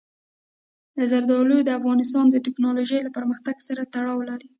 زردالو د افغانستان د تکنالوژۍ له پرمختګ سره تړاو لري.